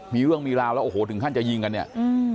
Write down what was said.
มีเรื่องมีราวแล้วโอ้โหถึงขั้นจะยิงกันเนี่ยอืม